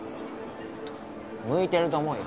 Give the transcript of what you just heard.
向いてると思うよ